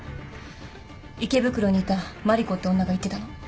池袋にいたマリコって女が言ってたの。